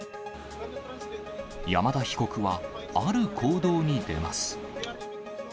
山田被告はある行動に出ます。